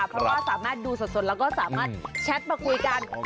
เพราะว่าสามารถดูสดแล้วก็สามารถแชทมาคุยกัน